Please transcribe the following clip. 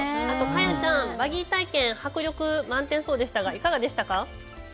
カヤちゃん、バギー体験、迫力満点そうでしたが、いかがでしたか？